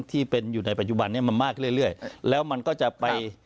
ที่เป็นอยู่ในปัจจุบันนี้มันมากเรื่อยเรื่อยแล้วมันก็จะไป